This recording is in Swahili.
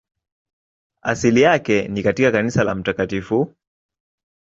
Asili yake ni katika kanisa la Mt.